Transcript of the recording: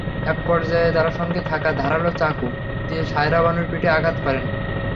একপর্যায়ে তাঁর সঙ্গে থাকা ধারালো চাকু দিয়ে সায়রা বানুর পিঠে আঘাত করেন।